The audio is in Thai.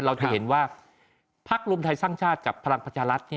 เราจะเห็นว่าพักรวมไทยสร้างชาติกับพลังประชารัฐ